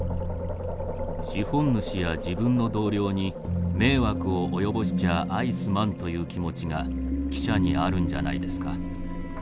資本主や自分の同僚に迷惑を及ぼしちゃ相すまんという気持ちが記者にあるんじゃないですか？